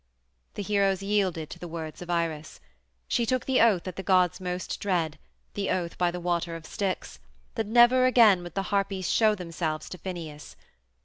The heroes yielded to the words of Iris. She took the oath that the gods most dread the oath by the Water of Styx that never again would the Harpies show themselves to Phineus.